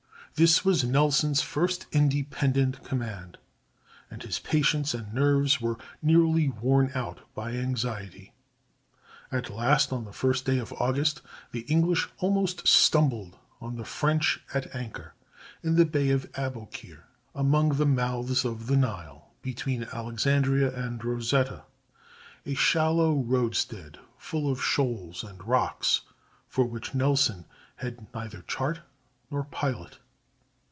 This was Nelson's first independent command, and his patience and nerves were nearly worn out by anxiety. [Illustration: WHEN DECATUR WAS A MIDSHIPMAN.] At last, on the first day of August, the English almost stumbled on the French at anchor in the Bay of Aboukir, among the mouths of the Nile, between Alexandria and Rosetta—a shallow roadstead full of shoals and rocks, for which Nelson had neither chart nor pilot.